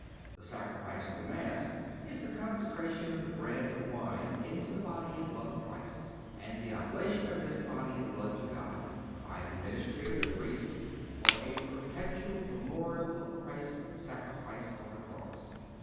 The sacrifice of the Mass is the consecration of the bread and wine into the body and blood of Christ, and the oblation of this body and blood to God, by the ministry of the Priest, for a perpetual memorial of Christ's sacrifice on the cross.